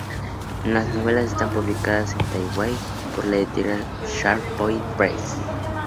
Las novelas están publicadas en Taiwan por la editorial Sharp Point Press.